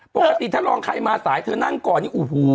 ปกติถ้าลองใครมาสายเธอนั่งก่อนนี่โอ้โห